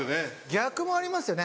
逆もありますよね。